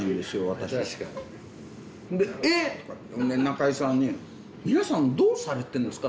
私で「エッー？？？」仲居さんに「皆さんどうされてるんですか？」